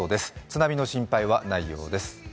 津波の心配はないようです。